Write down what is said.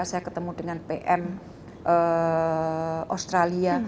saya ketemu dengan pm australia